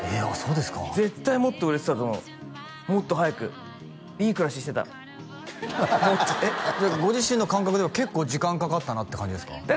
あっそうですか絶対もっと売れてたと思うもっと早くいい暮らししてたもっとえっじゃご自身の感覚では結構時間かかったなって感じですか？